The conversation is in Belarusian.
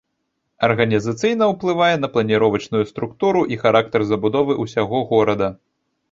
Арганізацыйна ўплывае на планіровачную структуру і характар забудовы ўсяго горада.